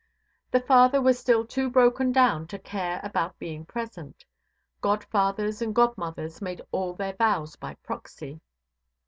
The father was still too broken down to care about being present; godfathers and godmothers made all their vows by proxy.